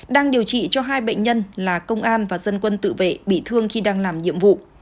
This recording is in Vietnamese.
đang điều trị cho hai bệnh nhân là công an và dân quân tự vệ bị thương khi đang làm nhiệm vụ